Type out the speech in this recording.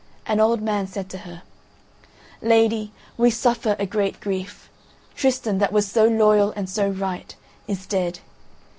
An old man said to her: "Lady, we suffer a great grief. Tristan, that was so loyal and so right, is dead.